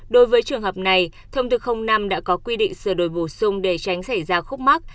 đối với trường hợp này thông tư năm đã có quy định sửa đổi bổ sung để tránh xảy ra khúc mắc